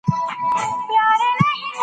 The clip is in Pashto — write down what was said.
که تاسي پلان تعقيب نه کړئ، ناکامېږئ.